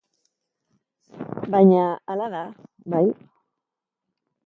Baina hala da, bai.